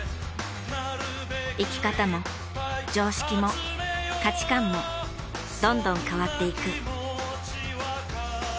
生き方も常識も価値観もどんどん変わっていく。